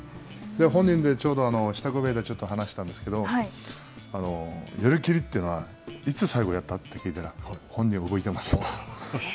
本人でちょうど支度部屋で話したんですけど、寄り切りというのはいつ最後やったって聞いたら、本人は、覚えてませんと。